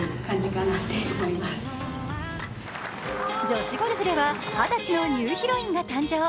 女子ゴルフでは二十歳のニューヒロインが誕生。